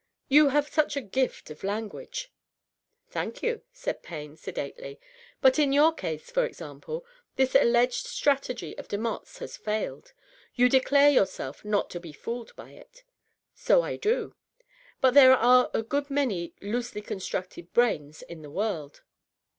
You have such a gift of language." " Thank you," said Payne sedately. " But in your case, for exam ple, this alleged strategy of Demotte's has failed. You declare yourself not to be fooled by it." " So I do. But there are a good many loosely constructed brains in the world."